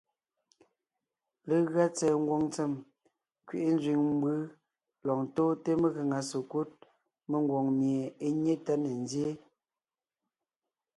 Legʉa tsɛ̀ɛ ngwòŋ ntsèm nkẅiʼi nzẅìŋ mbǔ lɔg ntóonte megàŋa sekúd mengwòŋ mie é nyé tá ne nzyéen;